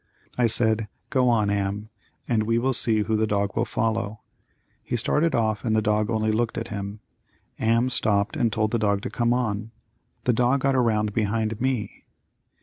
I said, "Go on Am, and we will see who the dog will follow." He started off and the dog only looked at him. Am stopped and told the dog to come on. The dog got around behind me.